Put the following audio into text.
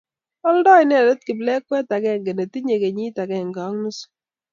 oldi inendet kiplekwet agenge ne tinyei kenyit agenge ak nusu